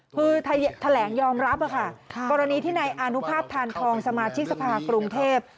คือแถลงยอมรับค่ะกรณีที่นายอานุภาพทานทองสมาชิกสภากรุงเทพ